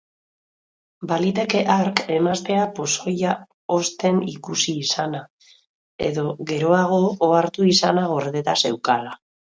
Baliteke hark emaztea pozoia osten ikusi izana edo geroago ohartu izana gordeta zeukala.